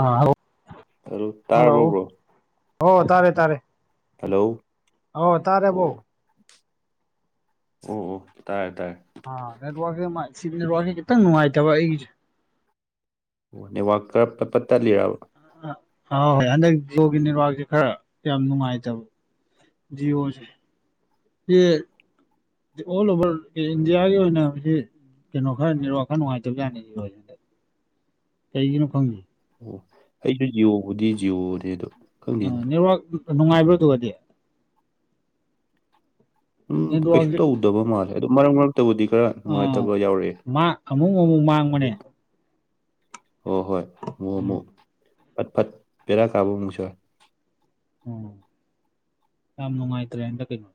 ꯑꯥ hello hello ꯇꯔꯕꯣ bro ꯑꯣ ꯇꯥꯔꯦ ꯇꯥꯔꯦ ꯍꯜꯂꯣ ꯑꯣ ꯇꯥꯔꯦꯕꯣ ꯑꯣ ꯑꯣ ꯑꯣ ꯇꯥꯔꯦ ꯇꯥꯔꯦ ꯑꯥ ꯅꯦꯠꯋꯥꯛꯁꯦ ꯃꯥꯏ ꯁꯤ ꯅꯦꯠꯋꯥꯛꯁꯦ ꯈꯤꯇꯪ ꯅꯨꯡꯉꯥꯏꯇꯕ ꯑꯩꯒꯤꯖꯦ ꯑꯣ ꯅꯦꯠꯋꯥꯛ ꯀ ꯄꯠ ꯄꯠ ꯇꯠꯂꯤꯔꯕ ꯑꯥ ꯍꯣꯏ ꯍꯟꯗꯛ ꯖꯤꯌꯣꯒꯤ ꯅꯦꯠꯋꯥꯛꯁꯦ ꯈꯔ ꯌꯥꯝ ꯅꯨꯡꯉꯥꯏꯇꯕ ꯖꯤꯌꯣꯖꯦ [unintelligible] ꯑꯣꯜ ꯑꯣꯚꯔ ꯏꯟꯗꯤꯌꯥꯒꯤ ꯑꯣꯏꯅ ꯍꯨꯖꯤꯛ ꯀꯩꯅꯣ ꯈꯔ ꯅꯦꯠꯋꯥꯛ ꯈꯔ ꯅꯨꯡꯉꯥꯏꯇꯕꯖꯥꯠꯅꯦ ꯖꯤꯌꯣꯖꯦ ꯀꯩꯒꯤꯅꯣ ꯈꯪꯗꯦ ꯑꯣ ꯑꯩꯖꯨ ꯖꯤꯌꯣꯕꯨꯗꯤ ꯖꯤꯌꯣꯅꯦ ꯑꯗꯣ ꯑꯥ ꯈꯪꯗꯦꯅꯦ ꯅꯦꯠꯋꯥꯛ ꯅꯨꯡꯉꯥꯏꯕ꯭ꯔꯥꯗꯨꯒꯗꯤ ꯎꯝ ꯀꯩꯁꯨ ꯅꯦꯠꯋꯥꯛꯁꯦ ꯇꯧꯗꯕ ꯃꯥꯜꯂꯦ ꯑꯗꯣ ꯃꯔꯛ ꯃꯔꯛꯇꯕꯨꯗꯤ ꯈꯔ ꯑꯥ ꯅꯨꯡꯉꯥꯏꯇꯕ ꯌꯥꯎꯔꯛꯑꯦ ꯃꯥ ꯑꯃꯨꯛ ꯑꯃꯨꯛ ꯑꯗꯣ ꯃꯥꯡꯕꯅꯦ ꯍꯣ ꯍꯣꯏ ꯑꯃꯨꯛ ꯎꯝ ꯑꯃꯨꯛ ꯄꯠ ꯄꯠ ꯕꯦꯔꯥ ꯀꯥꯕ ꯑꯃꯨꯛꯁꯨ ꯌꯥꯎ ꯎꯝ ꯌꯥꯝ ꯅꯨꯡꯉꯥꯏꯇ꯭ꯔꯦ ꯍꯟꯗꯛ ꯀꯤꯅꯣ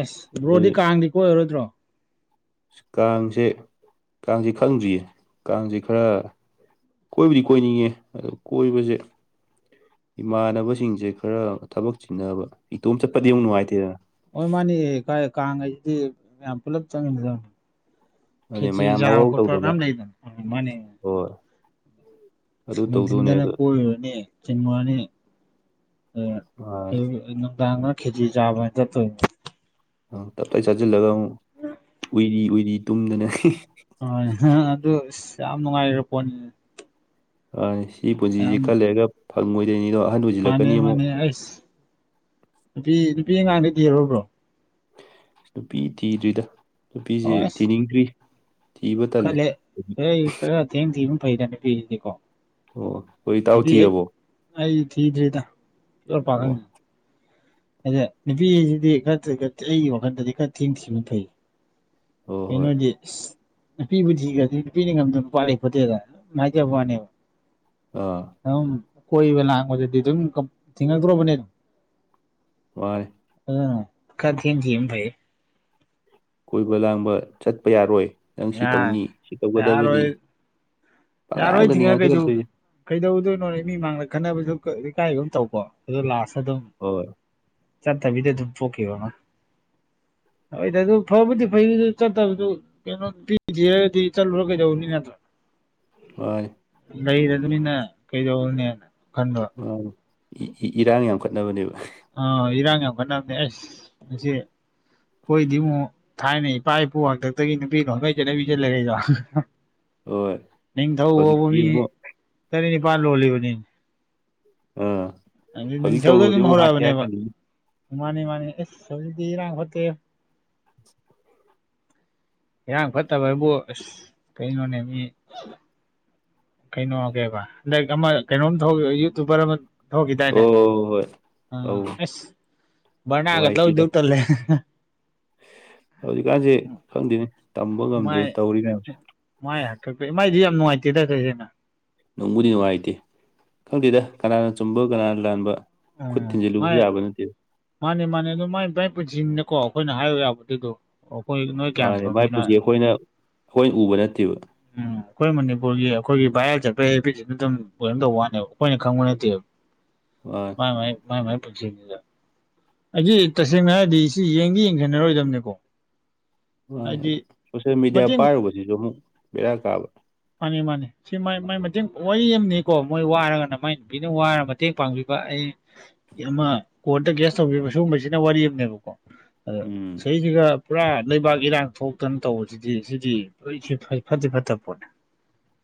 ꯑꯁ ꯑꯗꯨ ꯕ꯭ꯔꯣꯗꯤ ꯀꯥꯡꯗꯤ ꯀꯣꯏꯔꯔꯣꯏꯗ꯭ꯔꯣ ꯀꯥꯡꯁꯦ ꯀꯥꯡꯁꯦ ꯈꯪꯗ꯭ꯔꯤꯌꯦ ꯀꯥꯡꯁꯦ ꯈꯔ ꯀꯣꯏꯕꯨꯗꯤ ꯀꯣꯏꯅꯤꯡꯉꯦ ꯑꯗꯨ ꯀꯣꯏꯕꯁꯦ ꯏꯃꯥꯟꯅꯕꯁꯤꯡꯁꯦ ꯈꯔ ꯊꯕꯛ ꯆꯤꯟꯅꯕ ꯏꯇꯣꯝ ꯆꯠꯄꯗꯤ ꯌꯥꯝ ꯑꯥ ꯅꯨꯡꯉꯥꯏꯇꯦꯗꯅ ꯍꯣꯏ ꯃꯥꯅꯤ ꯀꯥꯡꯍꯥꯏꯁꯤꯗꯤ ꯃꯌꯥꯝ ꯄꯨꯂꯞ ꯆꯃꯤꯟꯅꯗꯧꯅꯤ ꯑꯗꯨꯅꯦ ꯈꯦꯠꯆ꯭ꯔꯤ ꯃꯌꯥꯝ ꯆꯥꯕ ꯍꯧꯍꯧ ꯈꯣꯠꯄ ꯇꯧꯗꯅ ꯃꯌꯥꯝ ꯂꯩꯗꯅ ꯃꯥꯅꯦ ꯍꯣꯏ ꯑꯗꯨ ꯇꯧꯗꯧꯅꯦ ꯅꯨꯡꯊꯤꯟꯗꯅ ꯑꯗꯣ ꯀꯣꯏꯔꯨꯔꯅꯤ ꯆꯤꯡꯉꯨꯔꯅꯤ ꯑꯥ ꯑꯗꯨꯒ ꯑꯌꯨ ꯅꯨꯡꯗꯥꯡꯗꯅ ꯈꯦꯠꯆ꯭ꯔꯤ ꯆꯥꯕ ꯍꯥꯏꯅ ꯆꯠꯇꯣꯏꯅꯦ ꯇꯞꯇꯥꯏ ꯆꯥꯖꯤꯜꯂꯒ ꯑꯃꯨꯛ ꯎꯏꯔꯤ ꯎꯏꯔꯤ ꯇꯨꯝꯗꯅ ꯍꯣꯏꯅꯦ ꯑꯗꯨ ꯌꯥꯝ ꯅꯨꯡꯉꯥꯏꯈꯔ ꯄꯣꯠꯅꯤ ꯑꯥ ꯁꯤ ꯄꯨꯟꯁꯤꯁꯤ ꯈꯔ ꯂꯩꯔꯒ ꯐꯪꯉꯣꯏꯗꯣꯏꯅꯤꯗꯣ ꯑꯍꯟ ꯃꯥꯅꯦ ꯑꯣꯏꯁꯤꯜꯂꯛꯀꯅꯤ ꯑꯃꯨꯛ ꯃꯥꯅꯦ ꯑꯩꯁ ꯅꯨꯄꯤ ꯅꯨꯄꯤ ꯑꯉꯥꯡꯗꯤ ꯊꯤꯔꯕ꯭ꯔꯣ ꯕ꯭ꯔꯣ ꯅꯨꯄꯤ ꯊꯤꯗ꯭ꯔꯤꯗ ꯅꯨꯄꯤꯁꯦ ꯊꯤꯅꯤꯡꯗ꯭ꯔꯤ ꯊꯤꯕ ꯇꯜꯂꯦ ꯈꯜꯂꯦ ꯍꯥꯏ ꯈꯔ ꯊꯦꯡ ꯊꯤꯕ ꯐꯩꯗ ꯅꯨꯄꯤꯁꯤꯗꯤꯀꯣ ꯑꯣꯑꯣ ꯍꯣꯏ ꯏꯇꯥꯎ ꯅꯨꯄꯤ ꯍꯦꯛ ꯊꯤꯔꯕꯣ ꯑꯩ ꯊꯤꯗ꯭ꯔꯤꯗ ꯄ꯭ꯌꯣꯔ ꯑꯣ ꯄꯥꯈꯪꯅꯦ ꯑꯗꯥ ꯅꯨꯄꯤꯍꯥꯏꯁꯤꯗꯤ ꯈ ꯈ ꯑꯩꯒꯤ ꯋꯥꯈꯜꯗꯗꯤ ꯈꯔ ꯊꯦꯡ ꯊꯤꯕꯅ ꯐꯩ ꯍꯣꯏ ꯍꯣꯏ ꯀꯩꯅꯣꯗꯤ ꯏꯁ ꯅꯨꯄꯤꯕꯨ ꯊꯤꯈ꯭ꯔꯗꯤ ꯅꯨꯄꯤꯅ ꯉꯝꯗꯕ ꯅꯨꯄꯥ ꯂꯩ ꯄꯣꯠꯇꯦꯗꯅ ꯑꯗꯨꯝ ꯍꯥꯏꯖꯕ ꯋꯥꯅꯦꯕ ꯑꯥ ꯑꯗꯨꯝ ꯀꯣꯏꯕ ꯂꯥꯡꯕꯗꯗꯤ ꯑꯗꯨꯝ ꯊꯤꯡꯉꯛꯇ꯭ꯔꯣꯕꯅꯦ ꯑꯗꯨꯝ ꯍꯣꯏ ꯑꯗꯨꯅ ꯈꯔ ꯊꯦꯡ ꯊꯤꯕꯅ ꯐꯩ ꯀꯣꯏꯕ ꯂꯥꯡꯕ ꯆꯠꯄ ꯌꯥꯔꯣꯏ ꯅꯪ ꯁꯤ ꯑꯉꯥꯡ ꯇꯧꯅꯤ ꯁꯤ ꯇꯧꯒꯗꯕꯅꯤ ꯌꯥꯔꯣꯏ ꯌꯥꯔꯣꯏ ꯄꯉꯥꯡꯗꯅꯤ ꯊꯤꯡꯉ ꯀꯩꯗꯧ ꯉꯥꯡꯁꯜꯂꯛꯇꯣꯏꯁꯦ [inaudible] ꯀꯩꯗꯧꯗꯣꯏꯅꯣ ꯍꯥꯏ ꯃꯤ ꯃꯥꯡꯗ ꯈꯠꯅꯕꯁꯨ ꯏꯀꯥꯏꯒꯨꯝ ꯇꯧꯀꯣ ꯑꯗꯣ ꯂꯥꯁꯇ ꯑꯗꯨꯝ ꯍꯣꯏ ꯆꯠꯇꯕꯤꯗ ꯑꯗꯨꯝ ꯊꯣꯛꯈꯤꯕ ꯑꯃ ꯍꯣꯏꯗ ꯑꯗꯨ ꯐꯕꯨꯗꯤ ꯐꯩ ꯑꯗꯨ ꯆꯠꯇꯕꯗꯨ ꯀꯩꯅꯣ ꯅꯨꯄꯤ ꯊꯤꯔꯒꯗꯤ ꯆꯠꯂꯨꯔ ꯀꯩꯗꯧꯒꯅꯤ ꯅꯠꯇ꯭ꯔꯥꯥ ꯃꯥꯟꯅꯤ ꯂꯩꯔꯕꯅꯤꯅ ꯀꯩꯗꯧꯔꯨꯅꯤ ꯈꯟꯕ ꯃꯥꯅꯦ ꯏ ꯏ ꯏꯔꯥꯡ ꯌꯥꯝꯈꯠꯅꯕꯅꯦꯕ ꯑꯥ ꯏꯔꯥꯡ ꯌꯥꯝꯈꯠꯅꯕꯅꯦ ꯑꯥꯏꯁ ꯃꯁꯤ ꯑꯩꯈꯣꯏꯗꯤ ꯑꯃꯨꯛ ꯊꯥꯏꯅ ꯏꯄꯥ ꯏꯄꯨ ꯍꯥꯛꯇꯛꯇꯒꯤ ꯅꯨꯄꯤ ꯂꯣꯟꯕꯩ ꯆꯠꯅꯕꯤꯁꯦ ꯂꯩꯔꯛꯏꯗꯣ ꯍꯣꯏ ꯅꯤꯡꯊꯧ ꯕꯥꯎꯕ ꯍꯧꯖꯤꯛꯇꯤ ꯃꯤ ꯑꯃꯨꯛ ꯇꯔꯦꯠ ꯅꯤꯄꯥꯜ ꯂꯣꯜꯂꯤꯕꯅꯤ ꯑꯥ ꯍꯥꯏꯗꯤ ꯍꯧꯖꯤꯛ ꯅꯨꯡꯊꯧꯗꯩ ꯇꯧꯔꯨꯔꯗꯤ ꯑꯗꯨꯝ ꯑꯃꯨꯛ ꯍꯥꯠꯀꯦ ꯍꯧꯔꯛꯑꯕꯅꯦꯕ ꯍꯥꯏꯔꯛꯀꯅꯤ ꯃꯥꯅꯦ ꯃꯥꯅꯦ ꯑꯦꯁ ꯍꯧꯖꯤꯛꯇꯤ ꯏꯔꯥꯡ ꯐꯠꯇꯦ [inaudible] ꯏꯔꯥꯡ ꯐꯠꯇꯕ ꯍꯥꯏꯕꯨ ꯑꯁ ꯀꯩꯅꯣꯅꯦ ꯃꯤ ꯀꯩꯅꯣ ꯀꯩꯍꯥꯏꯕ ꯂꯥꯏꯔꯤꯛ ꯑꯃ ꯀꯩꯅꯣꯝ ꯊꯧꯈꯤꯕꯩ ꯌꯨꯇꯨꯕꯔ ꯑꯃ ꯍꯣꯏ ꯊꯣꯛꯈꯤꯗꯥꯏꯅꯦ ꯍꯣꯏ ꯍꯣꯏ ꯑ ꯑꯧ ꯑꯁ ꯚꯔꯅꯥꯒ ꯅꯨꯡꯉꯥꯏꯇꯦꯗ ꯂꯧꯗꯧ ꯇꯜꯂꯦ ꯍꯧꯖꯤꯛꯀꯥꯟꯁꯦ ꯈꯪꯗꯦꯅꯦ ꯇꯝꯕ ꯉꯝꯗ꯭ꯔꯦ ꯃꯥꯏ ꯇꯧꯔꯤ ꯃꯌꯥꯝꯁꯦ ꯃꯥꯏ ꯍꯥꯛꯇꯛꯇꯩ ꯃꯥꯏꯗꯤ ꯌꯥꯝ ꯅꯨꯡꯉꯥꯏꯇꯦꯗ ꯀꯩꯀꯩꯅꯣ ꯅꯨꯡꯕꯨꯗꯤ ꯅꯨꯡꯉꯥꯏꯇꯦ ꯈꯪꯗꯦꯗ ꯀꯅꯥꯅ ꯆꯨꯝꯕ ꯀꯅꯥꯅ ꯂꯥꯟꯕ ꯈꯨꯠ ꯎꯝ ꯊꯤꯟꯖꯤꯜ ꯃꯥꯏ ꯂꯨꯕꯨꯁꯨ ꯌꯥꯕ ꯅꯠꯇꯦ ꯃꯥꯅꯦ ꯃꯥꯅꯦ ꯑꯗꯨ ꯃꯥꯏ ꯃꯥꯏ ꯄꯨꯟꯁꯤꯅꯤꯅꯀꯣ ꯑꯩꯈꯣꯏꯅ ꯍꯥꯏꯔꯨ ꯌꯥꯄꯣꯠꯇꯦ ꯑꯗꯣ ꯑꯩꯈꯣꯏ ꯅꯣꯏ ꯀꯌꯥꯝ ꯃꯥꯅꯦ ꯐꯕ ꯃꯥꯏ ꯄꯨꯟꯁꯤ ꯃꯤꯅꯣꯅ [inaudible] ꯑꯩꯈꯣꯏꯅ ꯑꯩꯈꯣꯏꯅ ꯎꯕ ꯅꯠꯇꯦꯕ ꯎꯝ ꯑꯩꯈꯣꯏ ꯃꯅꯤꯄꯨꯔꯒꯤ ꯑꯩꯈꯣꯏꯒꯤ ꯚꯥꯏꯔꯦꯜ ꯆꯠꯄ ꯍꯦꯕꯤꯠꯁꯤꯗ ꯑꯗꯨꯝ ꯑꯣꯏꯔꯝ ꯇꯧꯕ ꯋꯥꯅꯦꯕ ꯑꯩꯈꯣꯏꯅ ꯈꯪꯕ ꯅꯠꯇꯦꯕ [inaudible] ꯑꯥꯏ ꯃꯥꯏ ꯃꯥꯏ ꯃꯥꯏ ꯃꯥꯏ ꯄꯨꯟꯁꯤꯅꯤꯗ ꯑꯩꯗꯤ ꯇꯁꯦꯡꯅ ꯍꯥꯏꯔꯗꯤ ꯁꯤ ꯌꯦꯡꯗꯤ ꯌꯦꯡꯁꯤꯟꯅꯔꯣꯏꯗꯕꯅꯤꯀꯣ ꯍꯣꯏ ꯑꯗꯨ ꯁꯣꯁꯦꯜ ꯃꯦꯗꯤꯌꯥ ꯃꯇꯦꯡ ꯄꯥꯏꯔꯨꯕꯁꯤꯁꯨ ꯑꯃꯨꯛ ꯕꯦꯔꯥ ꯀꯥꯕ ꯃꯥꯅꯦ ꯃꯥꯅꯦ ꯁꯤ ꯃꯥꯏ ꯃꯥꯏ ꯃꯇꯦꯡ ꯋꯥꯔꯤ ꯑꯃꯅꯤꯀꯣ ꯃꯣꯏ ꯋꯥꯔꯒꯅ ꯃꯥꯏ ꯅꯨꯄꯤꯅ ꯋꯥꯔ ꯃꯇꯦꯡ ꯄꯥꯡꯕꯤꯕ ꯑꯩ ꯑꯃ ꯀꯣꯔꯠꯇ ꯀꯦꯁ ꯇꯧꯕꯤꯕ ꯁꯤꯒꯨꯝꯕꯁꯤꯅ ꯋꯥꯔꯤ ꯑꯃꯅꯦꯕꯀꯣ ꯑꯗꯣ ꯎꯝ ꯁꯤ ꯁꯤꯒ ꯄꯨꯔꯥ ꯂꯩꯕꯥꯛ ꯏꯔꯥꯡ ꯊꯣꯛꯇꯅ ꯇꯧꯕꯁꯤꯗꯤ ꯁꯤꯗꯤ ꯂꯣꯏ ꯁꯤ ꯐꯩ ꯐꯠꯇꯗꯤ ꯐꯠꯇꯕ ꯄꯣꯠꯅꯤ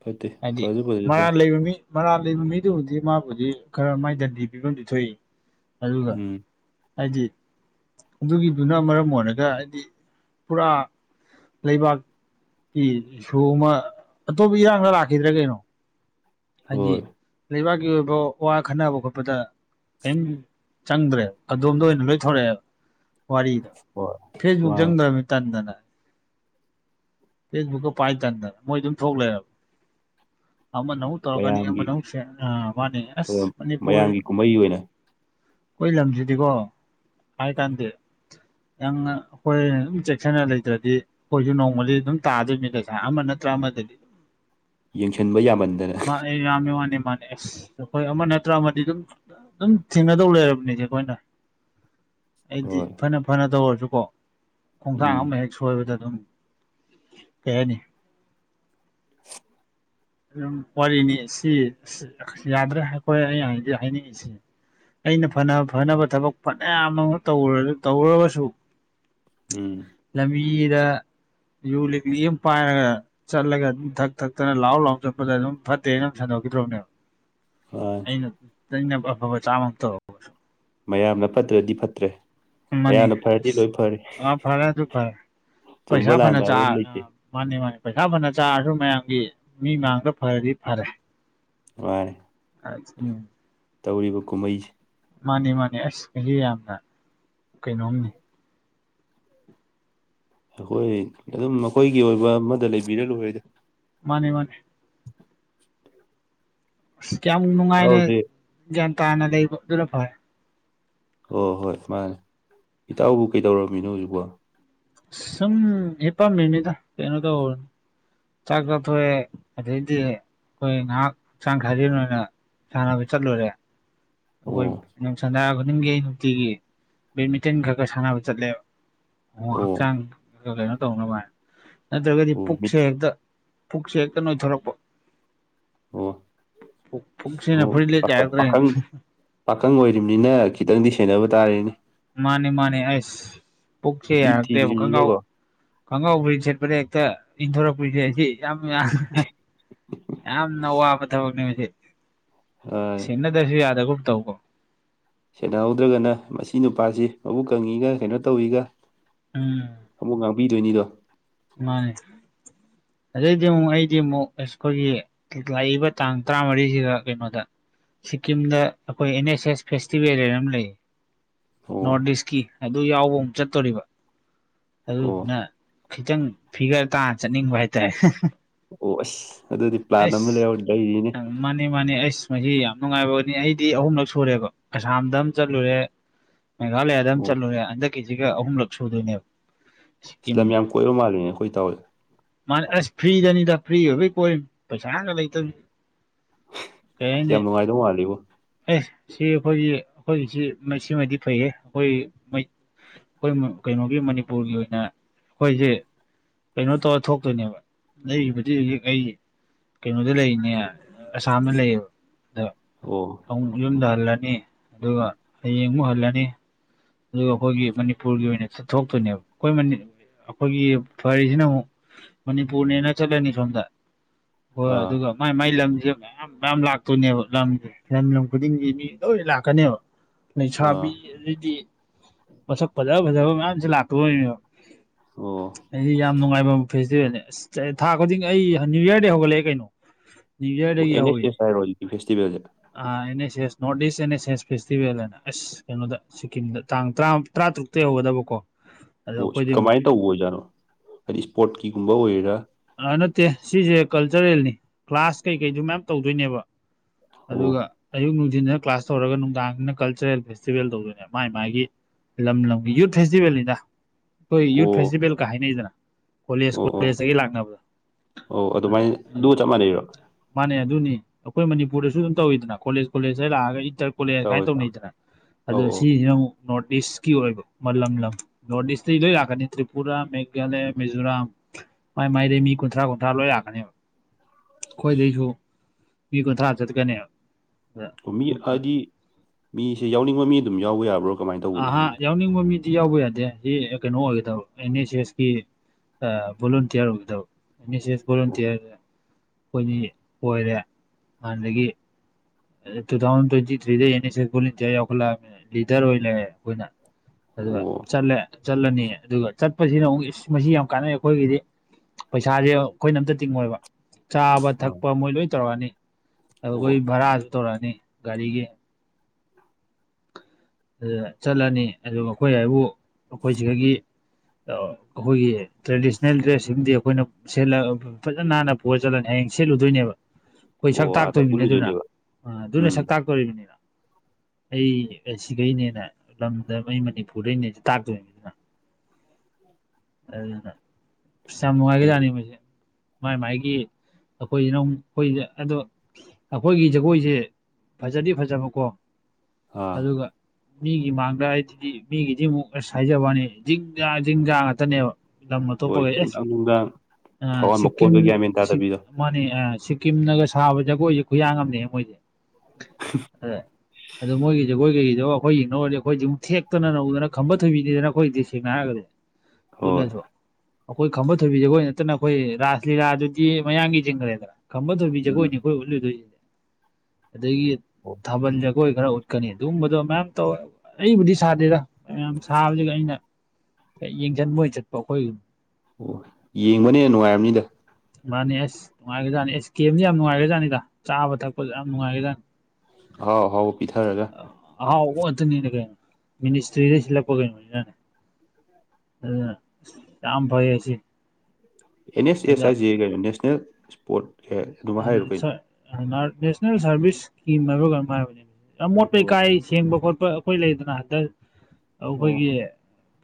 ꯐꯠꯇꯦ ꯍꯥꯏꯗꯤ ꯐꯁꯨ ꯐꯖꯗꯦ ꯃꯔꯥꯜ ꯂꯩꯕ ꯃꯤ ꯃꯔꯥꯜ ꯂꯩꯕ ꯃꯤꯗꯨꯕꯨꯗꯤ ꯃꯥꯕꯨꯗꯤ ꯈꯔ ꯃꯥꯏ ꯗꯟꯗꯤ ꯄꯤꯐꯝꯗꯤ ꯊꯣꯛꯏ ꯑꯗꯨꯒ ꯎꯝ ꯍꯥꯏꯗꯤ ꯑꯗꯨꯒꯤꯗꯨꯅ ꯃꯔꯝ ꯑꯣꯏꯔꯒ ꯍꯥꯏꯗꯤ ꯄꯨꯔꯥ ꯂꯩꯕꯥꯛꯀꯤ ꯏꯁꯨ ꯑꯃ ꯑꯇꯣꯞꯄ ꯏꯔꯥꯡꯗ ꯂꯥꯛꯈꯤꯗ꯭ꯔꯦ ꯀꯩꯅꯣ ꯍꯥꯏꯗꯤ ꯍꯣꯏ ꯂꯩꯕꯥꯛꯀꯤ ꯑꯣꯏꯕ ꯋꯥ ꯈꯟꯅꯕ ꯈꯣꯠꯄꯗ ꯀꯩꯝ ꯆꯪꯗ꯭ꯔꯦꯕ ꯑꯗꯣꯝꯗ ꯑꯣꯏꯅ ꯂꯣꯏꯊꯣꯔꯛꯑꯦꯕ ꯋꯥꯔꯤꯗꯣ ꯍꯣꯏ ꯐꯦꯁꯕꯨꯛ ꯃꯥꯅꯦ ꯆꯪꯗ꯭ꯔꯃꯦ ꯇꯟꯗꯅ ꯐꯦꯁꯕꯨꯛꯀ ꯄꯥꯏ ꯇꯟꯗꯅ ꯃꯣꯏ ꯑꯗꯨꯝ ꯊꯣꯛꯂꯦꯕ ꯑꯃꯅ ꯑꯃꯨꯛ ꯇꯧꯔꯛꯀꯅꯤ ꯃꯌꯥꯝꯒꯤ ꯑꯃꯅ ꯑꯃꯨꯛ ꯁꯦꯟ ꯑ ꯃꯥꯅꯤ ꯑꯁ ꯍꯣꯏ ꯃꯅꯤꯄꯨꯔ ꯃꯌꯥꯝꯒꯤ ꯀꯨꯝꯍꯩ ꯑꯣꯏꯅ ꯑꯩꯈꯣꯏ ꯂꯝꯁꯤꯗꯤꯀꯣ ꯍꯥꯏ ꯀꯥꯟꯗꯦ ꯌꯥꯝꯅ ꯑꯩꯈꯣꯏ ꯑꯗꯨꯝ ꯆꯦꯛꯁꯟꯅ ꯂꯩꯇ꯭ꯔꯗꯤ ꯑꯩꯈꯣꯏꯁꯨ ꯅꯣꯡꯃꯗꯤ ꯑꯗꯨꯝ ꯇꯥꯗꯣꯏꯅꯤ ꯗꯁꯥ ꯑꯃ ꯅꯠꯇ꯭ꯔ ꯑꯃꯗꯗꯤ ꯌꯦꯡꯁꯟꯕ ꯌꯥꯃꯟꯗꯅ ꯃꯥꯅꯦ ꯑꯩ ꯌꯥꯝ ꯃꯥꯅꯦ ꯃꯥꯅꯦ ꯑꯁ ꯑꯩꯈꯣꯏ ꯑꯃ ꯅꯠꯇ꯭ꯔ ꯑꯃꯗꯤ ꯑꯗꯨꯝ ꯑꯗꯨꯝ ꯊꯦꯡꯅꯗꯧ ꯂꯩꯔꯕꯅꯤꯁꯦ ꯑꯩꯈꯣꯏꯅ ꯑꯩꯗꯤ ꯍꯣꯏ ꯐꯅ ꯐꯅ ꯇꯧꯔꯁꯨꯀꯣ ꯈꯣꯡꯊꯥꯡ ꯎꯝ ꯑꯃ ꯍꯦꯛ ꯁꯣꯏꯕꯗꯗꯨꯝ ꯀꯩ ꯍꯥꯏꯅꯤ [unintelligible] ꯑꯗꯨꯝ ꯋꯥꯔꯤꯅꯤ ꯁꯤ ꯁꯤ ꯌꯥꯗ꯭ꯔꯦ ꯑꯩꯈꯣꯏ ꯑꯩ ꯍꯥꯏꯗꯤ ꯍꯥꯏꯅꯤꯡꯉꯤꯁꯤ ꯑꯩꯅ ꯐꯅ ꯐꯅꯕ ꯊꯕꯛ ꯐꯅꯌꯥꯝ ꯑꯃ ꯇꯧꯔꯒ ꯇꯧꯔꯒꯁꯨ ꯎꯝ ꯂꯝꯕꯤꯗ ꯌꯨ ꯂꯤꯛꯂꯤ ꯑꯝ ꯄꯥꯏꯔꯒ ꯆꯠꯂꯒ ꯑꯗꯨꯝ ꯊꯛ ꯊꯛꯇꯅ ꯂꯥꯎ ꯂꯥꯎ ꯆꯠꯄꯗ ꯑꯗꯨꯝ ꯐꯠꯇꯦꯅ ꯁꯟꯗꯣꯛꯈꯤꯗ꯭ꯔꯣꯕꯅꯦꯕ ꯃꯥꯅꯦ ꯑꯩꯅ ꯅꯪꯅ ꯑꯐꯕ ꯆꯥꯃ ꯑꯝ ꯇꯧꯔꯝꯕꯁꯨ ꯃꯌꯥꯝꯅ ꯐꯠꯇ꯭ꯔꯗꯤ ꯐꯠꯇ꯭ꯔꯦ ꯃꯥꯅꯤ ꯃꯌꯥꯝꯅ ꯐꯔꯗꯤ ꯂꯣꯏ ꯐꯔꯦ ꯑꯁ ꯑ ꯐꯔꯦ ꯑꯗꯨ ꯐꯔꯦ ꯄꯩꯁꯥ ꯆꯨꯝꯕ ꯐꯅ ꯂꯥꯟꯕ ꯆꯥ ꯍꯥꯏꯕ ꯑꯃ ꯂꯩꯇꯦ ꯑ ꯃꯥꯅꯤ ꯃꯥꯅꯤ ꯄꯩꯁꯥ ꯐꯅ ꯆꯥꯔꯁꯨ ꯃꯌꯥꯝꯒꯤ ꯃꯤ ꯃꯥꯡꯗ ꯐꯔꯗꯤ ꯐꯔꯦ ꯃꯥꯅꯦ ꯎꯝ ꯇꯧꯔꯤꯕ ꯀꯨꯝꯍꯩꯁꯦ ꯃꯥꯅꯤ ꯃꯥꯅꯦ ꯑꯁ ꯀꯩꯁꯨ ꯌꯥꯝꯅ ꯀꯩꯅꯣꯝꯅꯤ ꯑꯩꯈꯣꯏ ꯑꯗꯨꯝ ꯃꯈꯣꯏꯒꯤ ꯑꯣꯏꯕ ꯑꯃꯗ ꯂꯩꯕꯤꯔ ꯂꯣꯏꯔꯦꯗ ꯃꯥꯅꯦ ꯃꯥꯅꯦ ꯑꯁ ꯀꯌꯥꯝ ꯅꯨꯡꯉꯥꯏꯅ ꯏꯇꯥꯎꯁꯦ ꯒ꯭ꯌꯥꯟ ꯇꯥꯅ ꯂꯩꯕ ꯑꯗꯨꯅ ꯐꯔꯦ ꯍꯣꯏ ꯍꯣꯏ ꯃꯥꯅꯦ ꯏꯇꯥꯎꯕꯨ ꯀꯩꯗꯧꯔꯝꯃꯤꯅꯣ ꯍꯧꯖꯤꯛꯄꯣ ꯁꯨꯝ ꯍꯤꯄꯝꯃꯤꯅꯤꯗ ꯀꯩꯅꯣ ꯇꯧꯔ ꯆꯥꯛ ꯆꯥꯊꯣꯛꯑꯦ ꯑꯗꯩꯗꯤ ꯑꯩꯈꯣꯏ ꯉꯍꯥꯛ ꯍꯛꯆꯥꯡ ꯁꯥꯖꯦꯜ ꯑꯣꯏꯅ ꯁꯥꯟꯅꯕ ꯆꯠꯂꯨꯔꯦ ꯑꯣ ꯑꯩꯈꯣꯏ ꯁꯥꯟꯅꯕ ꯈꯨꯗꯤꯡꯒꯤ ꯑꯩ ꯅꯨꯡꯇꯤꯒꯤ ꯕꯦꯠꯃꯤꯟꯇꯟ ꯈꯔ ꯈꯔ ꯁꯥꯟꯅꯕ ꯆꯠꯂꯦꯕ ꯑꯣ ꯍꯛꯆꯥꯡ ꯀꯩꯅꯣ ꯇꯧꯅꯕ ꯍꯥꯏ ꯅꯠꯇ꯭ꯔꯒꯗꯤ ꯑꯣ ꯃꯤꯠ ꯄꯨꯛꯁꯦ ꯍꯦꯛꯇ ꯄꯨꯛꯁꯦ ꯍꯦꯛꯇ ꯅꯣꯏꯊꯣꯔꯛꯄ ꯑꯣ ꯄꯨꯛ ꯄꯨꯛꯁꯤꯅ ꯑꯃꯨꯛ ꯐꯨꯔꯤꯠ ꯂꯤꯠ ꯄꯥꯈꯠ ꯌꯥꯔꯛꯇ꯭ꯔꯦꯅꯦ ꯄꯥꯈꯪ ꯄꯥꯈꯪ ꯑꯣꯏꯔꯤꯕꯅꯤꯅ ꯈꯤꯇꯪꯗꯤ ꯁꯦꯟꯅꯕ ꯇꯥꯔꯦꯅꯦ ꯃꯥꯅꯤ ꯃꯥꯅꯤ ꯑꯩꯁ ꯄꯨꯛꯁꯦ ꯅꯨꯄꯤ ꯌꯥꯔꯛꯇꯦꯕ ꯈꯪꯒꯥꯎ ꯊꯤꯗ꯭ꯔꯤꯕꯅꯤꯅꯀꯣ ꯈꯪꯒꯥꯎ ꯐꯨꯔꯤꯠ ꯁꯦꯠꯄꯗ ꯍꯦꯛꯇ ꯏꯟꯊꯣꯔꯛꯄꯁꯦ ꯑꯁꯤ ꯌꯥꯝ ꯋꯥ ꯌꯥꯝꯅ ꯋꯥꯕ ꯊꯕꯛꯅꯦ ꯃꯁꯤ ꯍꯣꯏ ꯅꯠꯇ꯭ꯔꯁꯨ ꯌꯥꯗꯒꯨꯝꯕ ꯇꯧꯀꯣ ꯁꯦꯟꯅꯍꯧꯗ꯭ꯔꯒꯅ ꯃꯁꯤ ꯅꯨꯄꯥꯁꯤ ꯃꯕꯨꯛ ꯀꯪꯉꯤꯒ ꯀꯩꯅꯣ ꯇꯧꯏꯒ ꯎꯝ ꯑꯃꯨꯛ ꯉꯥꯡꯕꯤꯗꯣꯏꯅꯤꯗꯣ ꯃꯥꯅꯦ ꯑꯗꯨꯗꯩꯗꯤ ꯑꯃꯨꯛ ꯑꯩꯗꯤ ꯑꯃꯨꯛ ꯑꯩꯈꯣꯏꯒꯤ ꯂꯥꯛꯏꯕ ꯇꯥꯡ ꯇꯔꯥꯃꯔꯤꯁꯤꯗ ꯀꯩꯅꯣꯗ ꯁꯤꯀꯤꯝꯗ ꯑꯩꯈꯣꯏ ꯑꯦꯟ ꯑꯦꯁ ꯑꯦꯁ ꯐꯦꯁꯇꯤꯚꯦꯜꯑꯦꯅ ꯑꯃ ꯂꯩ ꯑꯣ ꯅꯣꯔꯠ ꯏꯁꯀꯤ ꯑꯗꯨ ꯌꯥꯎꯕ ꯑꯃꯨꯛ ꯆꯠꯇꯣꯔꯤꯕ ꯑꯣ ꯑꯗꯨꯗꯨꯅ ꯈꯤꯇꯪ ꯐꯤꯒꯔ ꯇꯥꯅ ꯆꯠꯅꯤꯡꯕ ꯍꯥꯏꯇꯥꯔꯦꯍꯦꯍꯦ ꯑꯣ ꯑꯁ ꯑꯗꯨꯗꯤ ꯄ꯭ꯂꯥꯟ ꯑꯃ ꯌꯥꯎꯔꯤ ꯂꯩꯔꯤꯅꯦ ꯃꯥꯅꯦ ꯃꯥꯅꯦ ꯑꯩꯁ ꯃꯁꯤꯗꯤ ꯌꯥꯝ ꯅꯨꯡꯉꯥꯏꯕꯅꯤ ꯑꯩꯗꯤ ꯑꯍꯨꯝꯂꯛ ꯁꯨꯔꯦꯕ ꯑꯁꯥꯝꯗ ꯑꯃ ꯆꯠꯂꯨꯔꯦ ꯃꯦꯘꯥꯂꯩꯌꯥꯗ ꯑꯃ ꯑꯣ ꯆꯠꯂꯨꯔꯦ ꯍꯟꯗꯛꯀꯤꯁꯤꯒ ꯑꯍꯨꯝꯂꯛ ꯁꯨꯗꯣꯏꯅꯦꯕ ꯁꯤ ꯂꯝ ꯁꯤꯛꯀꯤꯝꯒꯤ ꯌꯥꯝ ꯀꯣꯏꯕ ꯃꯥꯜꯂꯤꯅꯦ ꯑꯩꯈꯣꯏ ꯏꯇꯥꯎ ꯍꯣꯏ ꯃꯥꯅꯤ ꯑꯁ ꯐ꯭ꯔꯤꯗꯅꯤꯗ ꯐ꯭ꯔꯤ ꯑꯣꯏꯕꯒꯤ ꯀꯣꯏꯔꯤꯅꯤ ꯄꯩꯁꯥꯒ ꯂꯩꯇꯕꯤꯅꯤ ꯌꯥꯝ ꯅꯨꯡꯉꯥꯏꯗꯧ ꯃꯥꯜꯂꯤꯕꯣ ꯑꯦꯁ ꯁꯤ ꯑꯩꯈꯣꯏꯒꯤ ꯑꯩꯈꯣꯏꯒꯤ ꯁꯤ ꯁꯤꯃꯗꯤ ꯐꯩꯌꯦ ꯑꯩꯈꯣꯏꯒꯤ ꯃꯩꯇꯩ ꯑꯩꯈꯣꯏ ꯀꯩꯅꯣꯒꯤ ꯃꯅꯤꯄꯨꯔꯒꯤ ꯑꯣꯏꯅ ꯑꯩꯈꯣꯏꯁꯦ ꯀꯩꯅꯣ ꯇꯧꯔ ꯊꯣꯛꯇꯣꯏꯅꯦꯕ ꯂꯩꯈꯤꯕꯗꯤ ꯍꯧꯖꯤꯛ ꯑꯩꯒꯤ ꯀꯩꯅꯣꯗ ꯂꯩꯅꯦ ꯑꯁꯥꯝꯗ ꯂꯩꯌꯦꯕ ꯑꯗ ꯑꯣ ꯑꯃꯨꯛ ꯌꯨꯝꯗ ꯍꯜꯂꯅꯤ ꯑꯗꯨꯒ ꯍꯌꯦꯡꯃꯨꯛ ꯍꯜꯂꯅꯤ ꯑꯗꯨꯒ ꯑꯩꯈꯣꯏꯒꯤ ꯃꯅꯤꯄꯨꯔꯒꯤ ꯑꯣꯏꯅ ꯆꯠ ꯊꯣꯛꯇꯣꯏꯅꯦꯕ ꯑꯩꯈꯣꯏ ꯃꯅꯤ ꯑꯩꯈꯣꯏꯒꯤ ꯐꯔꯤꯁꯤꯅ ꯑꯃꯨꯛ ꯃꯅꯤꯄꯨꯔꯅꯦꯅ ꯆꯠꯂꯅꯤ ꯁꯣꯝꯗ ꯍꯣꯏ ꯑꯥ ꯑꯗꯨꯒ ꯃꯥꯏ ꯃꯥꯏ ꯂꯝꯁꯦ ꯑꯃꯨꯛ ꯌꯥꯝ ꯌꯥꯝ ꯂꯥꯛꯇꯣꯏꯅꯦꯕ ꯂꯝ ꯂꯝ ꯈꯨꯗꯤꯡꯒꯤ ꯃꯤ ꯂꯣꯏ ꯂꯥꯛꯀꯅꯤꯕ ꯑꯥ ꯂꯩꯁꯥꯕꯤ ꯑꯗꯨꯗꯩꯗꯤ ꯃꯁꯛ ꯐꯖꯕ ꯐꯖꯕ ꯃꯌꯥꯝꯁꯦ ꯂꯥꯛꯀꯗꯣꯏꯅꯦꯕ ꯑꯣ ꯑꯩꯗꯤ ꯌꯥꯝ ꯅꯨꯡꯉꯥꯏꯕ ꯐꯦꯁꯇꯤꯚꯦꯜꯅꯦ ꯑꯥ ꯊꯥ ꯈꯨꯗꯤꯡ ꯑꯩ ꯅ꯭ꯌꯨ ꯌꯤꯌꯔ ꯗꯩ ꯍꯧꯒꯠꯂꯛꯑꯦ ꯀꯩꯅꯣ ꯅ꯭ꯌꯨ ꯑꯦꯟ ꯑꯦꯁ ꯑꯦꯁ ꯍꯥꯏꯔꯣ ꯍꯧꯖꯤꯛ ꯐꯦꯁꯇꯤꯚꯦꯜꯁꯦ ꯑꯥ N S S north east N S S ꯐꯦꯁꯇꯤꯚꯦꯜꯅ ꯍꯥꯏꯅ ꯑꯁ ꯀꯩꯅꯣꯗ ꯁꯤꯀꯤꯝꯗ ꯇꯥꯡ ꯇꯔꯥ ꯇꯔꯥ ꯇꯔꯨꯛꯇꯩ ꯍꯧꯒꯗꯕ ꯀꯣ ꯑꯣ ꯀꯃꯥꯏꯅ ꯇꯧꯕ ꯑꯣꯏꯖꯥꯠꯅꯣ ꯍꯥꯏꯗꯤ ꯁ꯭ꯄꯣꯔꯠꯀꯤꯒꯨꯝꯕ ꯑꯣꯏꯔꯤꯔꯥ ꯑꯥ ꯅꯠꯇꯦ ꯁꯤꯁꯦ ꯀꯜꯆꯔꯦꯜꯅꯤ ꯀ꯭ꯂꯥꯁ ꯀꯩꯀꯩꯁꯨ ꯃꯌꯥꯝ ꯇꯧꯗꯣꯏꯅꯦꯕ ꯑꯣ ꯑꯗꯨꯒ ꯑꯌꯨꯛ ꯅꯨꯡꯊꯤꯟꯗꯅ ꯀ꯭ꯂꯥꯁ ꯇꯧꯔꯒ ꯅꯨꯡꯗꯥꯡꯗꯅ ꯀꯜꯆꯔꯦꯜ ꯐꯦꯁꯇꯤꯚꯦꯜ ꯇꯧꯗꯣꯏꯅꯦ ꯃꯥꯏ ꯃꯥꯏ ꯃꯥꯒꯤ ꯂꯝ ꯂꯝꯒꯤ ꯌꯨꯠ ꯐꯦꯁꯇꯤꯚꯦꯜꯅꯤꯗ ꯈꯣꯏ ꯑꯣ ꯌꯨꯠ ꯐꯦꯁꯇꯤꯚꯦꯜꯀ ꯍꯥꯏꯅꯩꯗꯅ ꯀꯣꯂꯦꯖ ꯑꯣ ꯑꯣ ꯀꯣꯂꯦꯖꯇꯒꯤ ꯂꯥꯛꯅꯕ ꯑꯣ ꯑꯗꯨꯃꯥꯏꯟ ꯑꯗꯨꯒ ꯆꯞ ꯃꯥꯟꯅꯩꯔꯣ ꯃꯥꯅꯦ ꯑꯗꯨꯅꯤ ꯑꯈꯣꯏ ꯃꯅꯤꯄꯨꯔꯗꯁꯨ ꯑꯗꯨꯝ ꯇꯧꯋꯤꯗꯅ ꯀꯣꯂꯦꯖ ꯀꯣꯂꯦꯖꯇ ꯂꯥꯛꯑꯒ ꯏꯟꯇꯔ ꯀꯣꯂꯦꯁ ꯀꯥꯏꯟ ꯇꯧꯋꯦ ꯇꯧꯋꯦ ꯇꯧꯅꯩꯗꯅ ꯑꯗꯣ ꯑꯧ ꯑꯧ ꯁꯤꯖꯤꯅ ꯑꯃꯨꯛ ꯅꯣꯔꯠ ꯏꯁꯀꯤ ꯑꯣꯏꯕ ꯃ ꯂꯝ ꯂꯝ ꯅꯣꯔꯠꯏꯁꯇꯩ ꯂꯣꯏ ꯂꯥꯛꯀꯅꯤ ꯇ꯭ꯔꯤꯄꯨꯔꯥ ꯃꯦꯘꯥꯂꯦꯞ ꯃꯦꯖꯣꯔꯥꯝ ꯃꯥꯏꯔꯩ ꯃꯤ ꯀꯨꯟꯊ꯭ꯔꯥ ꯀꯨꯟꯊ꯭ꯔꯥ ꯂꯣꯏ ꯂꯥꯛꯀꯅꯦꯕ ꯈꯣꯏꯗꯩꯖꯨ ꯃꯤ ꯀꯨꯟꯊ꯭ꯔꯥ ꯆꯠꯀꯅꯦꯕ ꯑꯣ ꯃꯤ ꯑꯗ ꯍꯥꯏꯗꯤ ꯃꯤꯁꯦ ꯌꯥꯎꯅꯤꯡꯕ ꯃꯤ ꯑꯗꯨꯝ ꯌꯥꯎꯕ ꯌꯥꯕ꯭ꯔꯣ ꯀꯃꯥꯏꯅ ꯇꯧꯕꯅꯣ ꯑꯍꯥ ꯁꯤꯁꯦ ꯌꯥꯎꯅꯤꯡꯕ ꯃꯤꯗꯤ ꯌꯥꯎꯕ ꯌꯥꯗꯦ ꯌꯤ ꯀꯩꯅꯣ ꯑꯣꯏꯒꯗꯕ ꯑꯦꯟ ꯑꯦꯁ ꯑꯦꯁꯀꯤ ꯑ ꯕꯣꯂꯨꯟꯇꯤꯌꯥꯔ ꯑꯣꯏꯒꯗꯕ ꯃꯤꯁ ꯑꯦꯁ ꯑꯣ ꯚꯣꯂꯨꯟꯇꯤꯌꯥꯔ ꯈꯣꯏꯅꯤ ꯑꯣꯏꯔꯦ ꯍꯥꯟꯗꯒꯤ two thousand twenty ꯊ꯭ꯔꯤꯗꯩ N S L volunteer ꯌꯥꯎꯈꯠꯂꯛ ꯑꯃꯤ ꯂꯤꯗꯔ ꯑꯣꯏꯅ ꯂꯩꯔꯦ ꯑꯈꯣꯏꯅ ꯑꯗꯨꯒ ꯑꯣ ꯆꯠꯂꯦ ꯆꯠꯂꯅꯤ ꯑꯗꯨꯒ ꯆꯠꯄꯖꯤꯅ ꯑꯃꯨꯛ ꯏꯁ ꯃꯁꯤ ꯌꯥꯝ ꯀꯥꯟꯅꯩ ꯑꯈꯣꯏꯒꯤꯗꯤ ꯄꯩꯁꯥꯖꯣ ꯑꯈꯣꯏꯅ ꯑꯝꯇ ꯇꯤꯡꯉꯣꯏꯕ ꯆꯥꯕ ꯑꯥ ꯊꯛꯄ ꯃꯣꯏ ꯂꯣꯏ ꯇꯧꯔꯛꯑꯅꯤ ꯑ ꯑꯣ ꯑꯈꯣꯏ ꯚꯔꯥꯖꯨ ꯇꯧꯔꯛꯑꯅꯤ ꯒꯥꯔꯤꯒꯤ ꯑꯗꯨꯗ ꯆꯠꯂꯅꯤ ꯑꯗꯨ ꯃꯈꯣꯏ ꯍꯥꯏꯕꯨ ꯑꯈꯣꯏꯁꯤꯒꯒꯤ ꯑꯣ ꯑꯈꯣꯏꯒꯤ ꯇ꯭ꯔꯦꯗꯤꯁꯅꯦꯜ ꯗ꯭ꯔꯦꯁꯁꯤꯝꯗꯤ ꯑꯈꯣꯏꯅ ꯁꯦꯠꯂꯛꯑꯕ ꯐꯖꯅ ꯅꯥꯟꯅ ꯄꯨꯔ ꯆꯠꯂꯅꯤ ꯍꯌꯦꯡ ꯁꯦꯠꯂꯨꯗꯣꯏꯅꯦꯕ ꯈꯣꯏ ꯑꯣ ꯁꯛ ꯑꯥꯗ ꯇꯥꯛꯇꯣꯏꯃꯤꯅꯦ ꯑꯗꯨꯅ ꯎꯠꯂꯨꯗꯣꯏꯅꯦꯕ ꯑ ꯑꯗꯨꯅ ꯎꯝ ꯁꯛ ꯇꯥꯛꯇꯣꯔꯤꯕꯅꯦꯕ ꯑꯩ ꯑꯦ ꯁꯤꯒꯩꯅꯦꯅ ꯂꯝꯗ ꯃꯩ ꯃꯅꯤꯄꯨꯔꯗꯩꯅꯦꯖꯦ ꯇꯥꯛꯇꯣꯏꯅꯤꯃ ꯑꯗꯨꯅ ꯁꯤꯌꯥꯝ ꯐꯩ ꯅꯨꯡꯉꯥꯏꯒ꯭ꯔꯖꯥꯠꯅꯤ ꯃꯖꯤ ꯃꯥꯏ ꯃꯥꯥꯏꯒꯤ ꯑꯈꯣꯏꯖꯤꯅ ꯑꯃꯨꯛ ꯈꯣꯏꯖꯦ ꯑꯗꯣ ꯑꯈꯣꯏꯒꯤ ꯖꯒꯣꯏꯖꯦ ꯐꯖꯗꯤ ꯐꯖꯕꯀꯣ ꯑꯥ ꯑꯗꯨꯒ ꯃꯤꯒꯤ ꯃꯥꯡꯗ ꯍꯥꯏꯗꯨꯗꯤ ꯃꯤꯒꯤꯗꯤ ꯑꯃꯨꯛ ꯑꯁ ꯍꯥꯏꯖꯕ ꯋꯅꯦ ꯖꯤꯡꯖꯥ ꯖꯤꯡꯖꯥ ꯉꯥꯠꯇꯅꯦꯕ ꯂꯝ ꯍꯣꯏ ꯑꯇꯣꯞꯄꯒꯩ ꯑꯦꯁ ꯇꯨꯡꯗꯥꯡ ꯅꯨꯡꯗꯥꯡ ꯑ ꯊꯋꯥꯟ ꯁꯤꯛꯀꯤꯝ ꯃꯈꯣꯟꯒ ꯒ꯭ꯌꯥꯟ ꯃꯦꯟ ꯁꯤꯛ ꯇꯥꯗꯕꯤꯗꯣ ꯃꯥꯅꯦ ꯑ ꯁꯤꯀꯤꯝꯅꯒ ꯁꯥꯕ ꯖꯒꯣꯏꯖꯦ ꯈꯨꯌꯥꯡ ꯑꯝꯅꯦ ꯃꯣꯏꯖꯦ ꯑꯗ ꯑꯗꯨ ꯃꯣꯏꯒꯤ ꯃꯣꯏ ꯀꯩ ꯀꯩꯗꯣ ꯑꯈꯣꯏ ꯌꯦꯡꯅꯧꯔꯗꯤ ꯑꯈꯣꯏꯗꯤ ꯑꯃꯨꯛ ꯊꯦꯛꯇꯅ ꯅꯧꯗꯅ ꯈꯝꯕ ꯊꯣꯏꯕꯤꯅꯤꯗꯅ ꯑꯈꯣꯏꯗꯤ ꯁꯦꯡꯅ ꯍꯥꯏꯔꯒꯗꯤ ꯍꯣꯏ ꯄꯨꯂꯖꯨ ꯑꯈꯣꯏ ꯈꯝꯕ ꯊꯣꯏꯕꯤꯖꯒꯣꯏ ꯅꯠꯇꯅ ꯑꯈꯣꯏ ꯔꯥꯁ ꯂꯤꯂꯥꯗꯨꯗꯤ ꯃꯌꯥꯡꯒꯤ ꯆꯤꯡꯒ꯭ꯔꯦꯗꯅꯥ ꯈꯝꯕ ꯊꯣꯏꯕꯤ ꯎꯝ ꯖꯒꯣꯏꯅꯤ ꯑꯈꯣꯏ ꯎꯠꯂꯨꯗꯨꯏꯖꯤ ꯑꯗꯩꯒꯤ ꯑꯣ ꯊꯥꯕꯟ ꯖꯒꯣꯏ ꯈꯔ ꯎꯠꯀꯅꯤ ꯑꯗꯨꯒꯨꯝꯕꯗꯣ ꯃꯌꯥꯝ ꯇꯧꯋꯦ ꯑꯩꯕꯨꯗꯤ ꯁꯥꯗꯦꯗ ꯃꯌꯥꯝ ꯁꯥꯕꯖꯤꯒ ꯑꯩꯅ ꯌꯦꯡꯖꯟꯕ ꯑꯣꯏꯟ ꯆꯠꯄ ꯑꯈꯣꯏꯒꯤ ꯑꯣ ꯌꯦꯡꯕꯅ ꯍꯦꯟ ꯅꯨꯡꯉꯥꯏꯔꯝꯅꯤꯗ ꯃꯥꯅꯦ ꯑꯁ ꯅꯨꯡꯉꯥꯏꯒ꯭ꯔꯖꯥꯠꯅꯦ ꯑꯦꯁ ꯀꯦꯝꯗꯤ ꯌꯥꯝ ꯅꯨꯡꯉꯥꯏꯒ꯭ꯔꯖꯥꯅꯤꯗ ꯆꯥꯕ ꯊꯛꯄꯖꯨ ꯌꯥꯝ ꯅꯨꯡꯉꯥꯏꯒ꯭ꯔꯖꯥꯠꯅꯤ ꯑꯍꯥꯎ ꯑꯍꯥꯎꯕ ꯄꯤꯊꯔꯒ ꯑꯍꯥꯎ ꯉꯥꯛꯇꯅꯤꯅꯦ ꯀꯩꯅꯣ ꯃꯤꯅꯤꯁꯇ꯭ꯔꯤꯗꯩ ꯁꯤꯜꯂꯛꯄ ꯀꯩꯅꯣꯅꯤꯅꯦ [inaudible] ꯑꯗꯨꯅ ꯌꯥꯝ ꯐꯩꯌꯦ ꯑꯦꯁꯤ ꯑꯦꯟꯅꯦꯁ ꯑꯦꯁ ꯍꯥꯏ ꯖꯤ ꯀꯩꯅꯣ ꯅꯦꯁꯅꯦꯜ ꯁ꯭ꯄꯣꯔꯠ ꯑꯦꯛ [unintelligible] ꯁꯔ ꯑꯦꯃꯥꯔꯠ ꯅꯦꯁꯅꯦꯜ ꯁꯥꯔꯚꯤꯁ ꯀꯤꯝ ꯃꯔꯨꯑꯣꯏꯕ ꯑꯝ ꯍꯥꯏꯕꯅꯦꯃꯤ ꯑꯃꯣꯠꯄ ꯑꯣ ꯏꯀꯥꯏ ꯁꯦꯡꯕ ꯈꯣꯠꯄ ꯑꯈꯣꯏ ꯂꯩꯗꯅ ꯍꯟꯗꯛ ꯑꯣ ꯑꯈꯣꯏꯒꯤ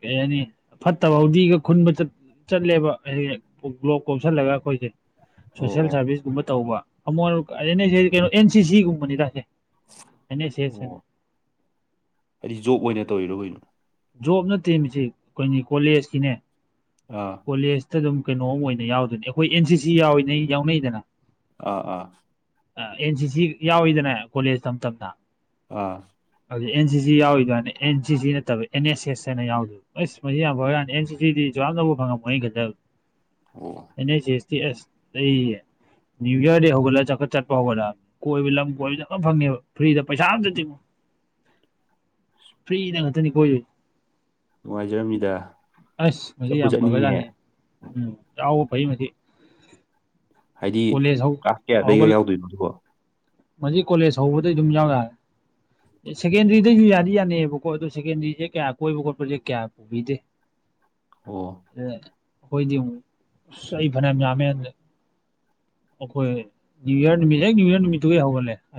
ꯀꯩ ꯍꯥꯏꯅꯤ ꯐꯠꯇꯕ ꯍꯥꯎꯗꯤꯒ ꯈꯨꯟꯕ ꯆꯠ ꯆꯠꯂꯦꯕ [unintelligible] ꯀꯣꯏꯁꯜꯂꯒ ꯑꯩꯈꯣꯏꯖꯦ ꯑꯣ ꯁꯣꯁꯦꯜ ꯑꯣ ꯁꯥꯔꯚꯤꯁꯒꯨꯝꯕ ꯇꯧꯕ ꯑꯃꯨꯛ ꯀꯩꯅꯣ ꯑꯦꯟ ꯁꯤ ꯁꯤꯒꯨꯝꯕꯅꯤꯗ ꯍꯥꯏꯖꯦ ꯑꯣ ꯍꯥꯏꯗꯤ ꯖꯣꯕ ꯑꯣꯏꯅ ꯇꯧꯔꯤꯔ ꯀꯩꯅꯣ ꯖꯣꯕ ꯅꯠꯇꯦ ꯃꯁꯤ ꯑꯩꯈꯣꯏꯅꯤ ꯀꯣꯂꯦꯖꯀꯤꯅꯦ ꯑꯥ ꯀꯣꯂꯦꯖꯇ ꯑꯗꯨꯝ ꯀꯩꯅꯣꯝ ꯑꯣꯏꯅ ꯌꯥꯎꯗꯅꯤ ꯑꯩꯈꯣꯏ ꯑꯦꯟ ꯁꯤ ꯁꯤ ꯌꯥꯎꯔꯤ ꯌꯥꯎꯅꯩꯗꯅ ꯑ ꯑꯥ ꯑꯦꯟ ꯁꯤ ꯁꯤ ꯌꯥꯎꯋꯤꯗꯅ ꯀꯣꯂꯦꯖ ꯇꯝ ꯇꯝꯅ ꯑꯥ ꯑꯗꯨꯗꯤ ꯑꯦꯟ ꯁꯤꯁꯤ ꯌꯥꯎꯔꯤ ꯑꯗꯨꯅꯦ ꯑꯦꯟ ꯁꯤ ꯁꯤ ꯅꯠꯇꯕ ꯑꯦꯟ ꯑꯦꯁ ꯑꯦꯁ ꯍꯥꯏꯅ ꯌꯥꯎꯗꯕ ꯑꯁ ꯃꯁꯤ ꯌꯥꯝ ꯐꯔꯥꯖꯅꯤ ꯑꯦꯟ ꯁꯤꯁꯤꯗꯤ ꯖꯥꯝꯅꯕꯨ ꯐꯪꯉꯃꯣꯏ ꯑꯩꯅ ꯑꯣ ꯈꯟꯖꯕ ꯑꯦꯟ ꯑꯦꯟ ꯑꯦꯁꯇꯤ ꯑꯩ ꯅꯨꯏ ꯌꯔ ꯗꯩ ꯍꯧꯒꯠꯂ ꯆꯠ ꯆꯠꯄ ꯍꯧꯒꯠꯂꯃꯦ ꯀꯣꯏꯕ ꯂꯝ ꯀꯣꯏꯕꯗ ꯑꯃ ꯐꯪꯉꯦꯕ ꯐ꯭ꯔꯤꯗ ꯄꯩꯁꯥ ꯑꯝꯇ ꯇꯤꯡꯉꯣꯏ ꯐ꯭ꯔꯤꯗ ꯉꯥꯛꯇꯅꯤ ꯀꯣꯏꯗꯨꯏꯁꯦ ꯅꯨꯡꯉꯥꯏꯖꯔꯝꯃꯤꯗ ꯑꯁ ꯃꯁꯤ ꯌꯥꯝ ꯐꯒ꯭ꯔꯖꯥꯠꯅꯤ ꯎꯝ ꯆꯥꯍꯧꯕ ꯐꯩ ꯃꯁꯤ ꯍꯥꯏꯗꯤ ꯀꯣꯂꯦꯖ ꯍꯧ ꯀ꯭ꯂꯥꯁ ꯀꯌꯥꯗꯩꯒ ꯍꯧꯒꯠ ꯌꯥꯎꯗꯣꯏꯅꯣ ꯑꯗꯨꯕꯣ ꯃꯁꯤ ꯀꯣꯂꯦꯖ ꯍꯧꯕꯗꯩ ꯑꯗꯨꯝ ꯌꯥꯎ ꯌꯥꯔꯦ ꯁꯦꯀꯦꯟꯗꯔꯤꯗꯩꯁꯨ ꯌꯥꯗꯤ ꯌꯥꯅꯩꯕꯀ ꯀꯣ ꯑꯗꯨ ꯁꯦꯀꯦꯟꯗ꯭ꯔꯤꯁꯦ ꯀꯌꯥ ꯀꯣꯏꯕ ꯈꯣꯠꯄꯁꯦ ꯀꯌꯥ ꯄꯨꯕꯤꯗꯦ ꯑꯣ [unintelligible] ꯈꯣꯏꯗꯤ ꯃꯨꯛ ꯑꯁ ꯑꯩ ꯐꯅꯌꯥꯝ ꯌꯥꯝꯃꯦ ꯑꯗ ꯑꯈꯣꯏ ꯅꯤꯌꯨ ꯏꯔ ꯅꯨꯃꯤꯠ ꯍꯦꯛ ꯅꯤꯌꯨ ꯏꯔ ꯅꯨꯃꯤꯠꯇꯨꯒꯩ ꯍꯧꯒꯠꯂꯦ ꯑꯁ